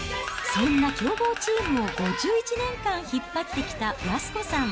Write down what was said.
そんな強豪チームを５１年間引っ張ってきた安子さん。